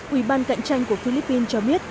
quy bàn cạnh tranh của philippines cho biết